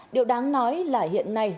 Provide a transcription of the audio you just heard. điều đáng nói là hiện nay